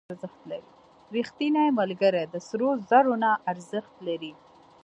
• رښتینی ملګری د سرو زرو نه ارزښت لري.